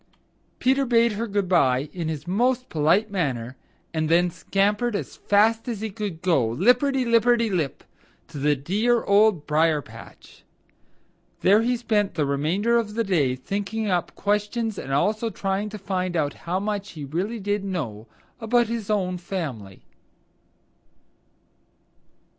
Peter bade her good by in his most polite manner and then scampered as fast as he could go, lipperty lipperty lip, to the dear Old Briar patch. There he spent the remainder of the day thinking up questions and also trying to find out how much he really did know about his own family.